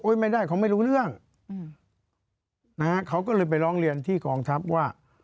ไม่ได้เขาไม่รู้เรื่องอืมนะฮะเขาก็เลยไปร้องเรียนที่กองทัพว่า